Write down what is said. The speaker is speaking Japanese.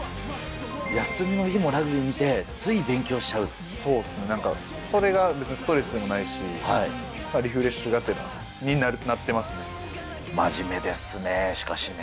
休みの日もラグビー見て、そうっすね、なんかそれが別にストレスでもないし、リフレッシュがてらになっ真面目ですね、しかしね。